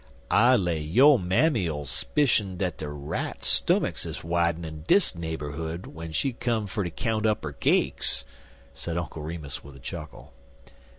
"I lay yo' mammy 'll 'spishun dat de rats' stummicks is widenin' in dis neighborhood w'en she come fer ter count up 'er cakes," said Uncle Remus, with a chuckle.